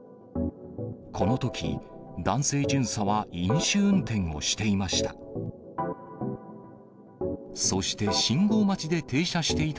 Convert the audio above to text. このとき、男性巡査は飲酒運転をしていました。